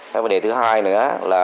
cái vấn đề thứ hai nữa là